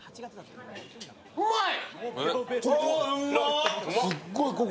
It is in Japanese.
うまい。